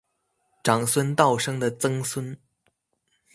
长孙道生的曾孙。